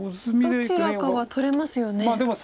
どちらかは取れますよね。